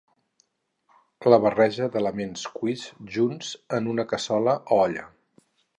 la barreja d'elements cuits junts en una cassola o olla